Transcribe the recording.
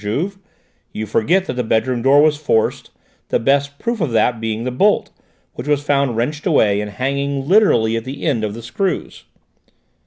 Juve; you forget that the bedroom door was forced, the best proof of that being the bolt, which was found wrenched away and hanging literally at the end of the screws."